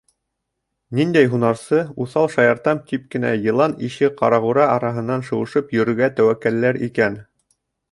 Ниндәй һунарсы уҫал шаяртам тип кенә йылан ише ҡарағура араһынан шыуышып йөрөргә тәүәккәлләр икән?